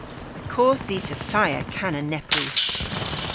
Y kodh dhis assaya kana nepprys.